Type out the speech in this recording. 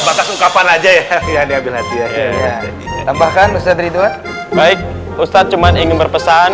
bakal kapan aja ya ya diambil hati ya ya tambahkan ustadz ridwan baik ustadz cuman ingin berpesan